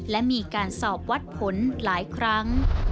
และมีการสอบวัดผลหลายครั้ง